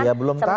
ya belum tahu